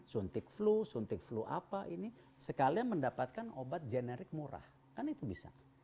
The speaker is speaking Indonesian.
suntik flu suntik flu apa ini sekalian mendapatkan obat generik murah kan itu bisa